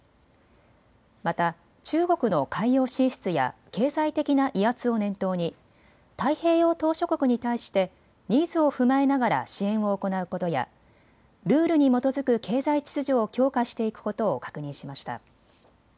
また中国の海洋進出や経済的な威圧を念頭に太平洋島しょ国に対してニーズを踏まえながら支援を行うことやルールに基づく経済秩序を強化していくことを確認しました。